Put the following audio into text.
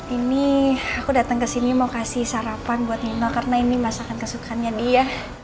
ini aku datang kesini mau kasih sarapan buat nino karena ini masakan kesukannya dia